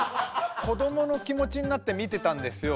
子どもの気持ちになって見てたんですよ。